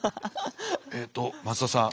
えっと松田さん